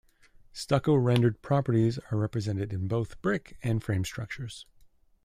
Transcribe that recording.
Stucco rendered properties are represented in both brick and frame structures.